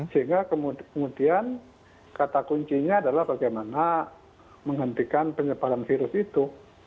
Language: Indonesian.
sehingga kemudian kata kuncinya adalah bagaimana menghentikan penyebaran virus itu